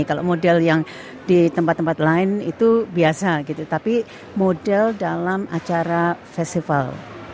kalau model yang di tempat tempat lain itu biasa gitu tapi model dalam acara festival